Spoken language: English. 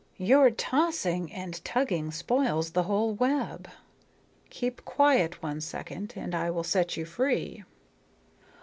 "Your tossing and tugging spoils the whole web. Keep quiet one second, and I will set you free."